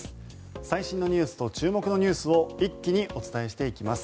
最新ニュースと注目ニュースを一気にお伝えします。